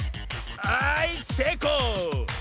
はいせいこう！